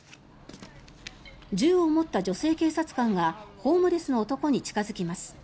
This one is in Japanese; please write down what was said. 銃を持った女性警察官がホームレスの男に近付きます。